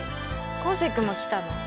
昴生君も来たの？